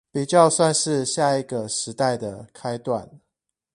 比較算是下一個時代的開段